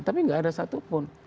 tapi gak ada satupun